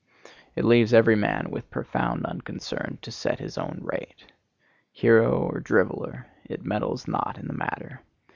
It leaves every man, with profound unconcern, to set his own rate. Hero or driveller, it meddles not in the matter.